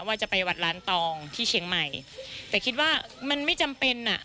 ว่าจะไปวัดล้านตองที่เชียงใหม่แต่คิดว่ามันไม่จำเป็นอ่ะ